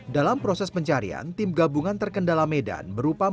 dalam proses pencarian tim gabungan terkendala medan berupa makanan